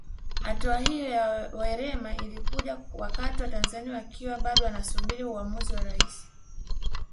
Hatua hiyo ya Werema ilikuja wakati Watanzania wakiwa bado wanasubiri uamuzi wa Rais